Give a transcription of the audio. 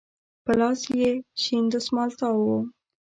په لاس يې شين دسمال تاو و.